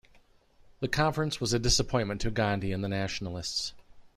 The conference was a disappointment to Gandhi and the nationalists.